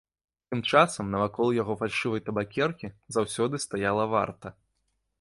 Тым часам навакол яго фальшывай табакеркі заўсёды стаяла варта.